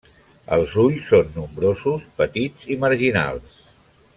Els ulls són nombrosos, petits i marginals.